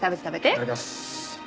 いただきます。